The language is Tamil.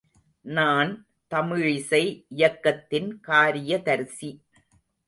நான் தமிழிசை இயக்கத்தின் காரியதரிசி.